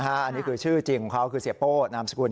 อันนี้คือชื่อจริงของเขาคือเสียโป้นามสกุล